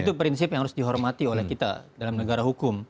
itu prinsip yang harus dihormati oleh kita dalam negara hukum